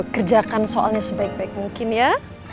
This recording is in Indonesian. kerjakan soalnya sebaik baik mungkin ya